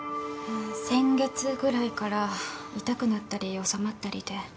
先月ぐらいから痛くなったり治まったりで。